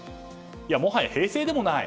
もはや平成でもない。